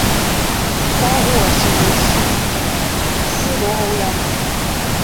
高获师事司徒欧阳歙。